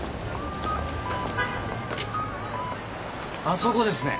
あそこですね。